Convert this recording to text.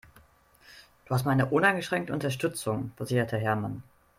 "Du hast meine uneingeschränkte Unterstützung", versicherte Hermann.